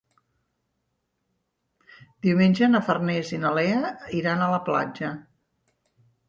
Diumenge na Farners i na Lea iran a la platja.